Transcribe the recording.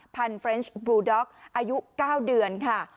พันธุ์เฟรนช์บลูด๊อกอายุ๙เดือนค่ะ